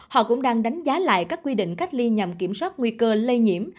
họ cũng đang đánh giá lại các quy định cách ly nhằm kiểm soát nguy cơ lây nhiễm